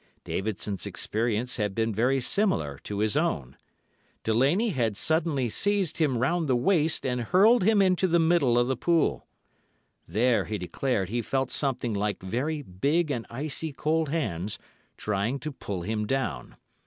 Davidson's experience had been very similar to his own. Delaney had suddenly seized him round the waist and hurled him into the middle of the pool. There, he declared, he felt something like very big and icy cold hands trying to pull him down.